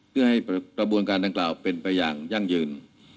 เพื่อให้กระบวนการดังกล่าวเป็นไปอย่างยั่งยืน